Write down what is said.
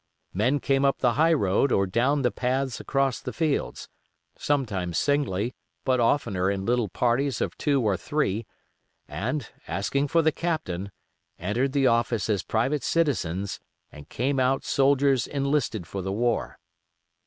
Men came up the high road or down the paths across the fields, sometimes singly, but oftener in little parties of two or three, and, asking for the Captain, entered the office as private citizens and came out soldiers enlisted for the war.